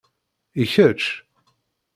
I kečč?